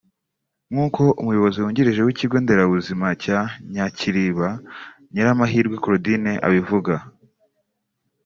nk’uko Umuyobozi wungirije w’ikigo nderabuzima cya Nyakiriba Nyiramahirwe Claudine abivuga